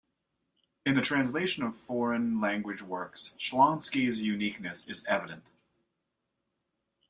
In the translation of foreign-language works, Shlonsky's uniqueness is evident.